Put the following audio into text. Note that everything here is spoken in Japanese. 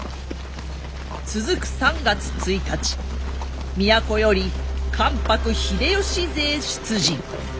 続く３月１日都より関白秀吉勢出陣。